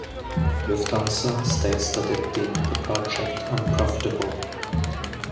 Lufthansa states that it deemed the project unprofitable.